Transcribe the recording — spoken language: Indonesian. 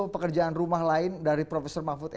pekerjaan rumah lain dari prof mahfud m